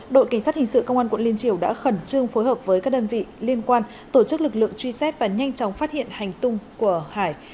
đội cảnh sát hình sự công an quận liên triều đã khẩn trương phối hợp với các đơn vị liên quan tổ chức lực lượng truy xét và nhanh chóng phát hiện hành tung của hải